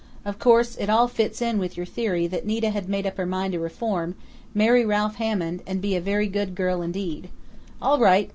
Of course it all fits in with your theory that Nita had made up her mind to reform, marry Ralph Hammond, and be a very good girl indeed.... All right!